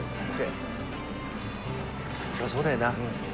そりゃそうだよな。